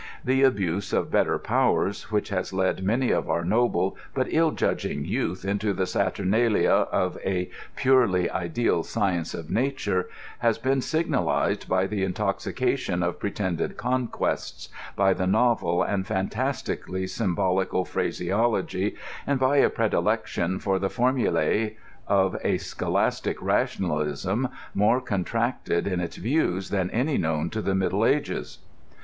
The ahuse of hotter powers, which has led many of our noble but ill judging youth into the saturnalia of a pure ly ideal science of nature, has been signalized by the intoxica tion of pretended conquests, by a novel and fantastically sym bolical phtaseology, and by a predilection for the formulae of a scholastic rationalism, more contracted in its views than any known to the Middle Ages.